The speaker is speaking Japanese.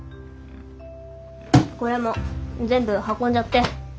これも全部運んじゃって。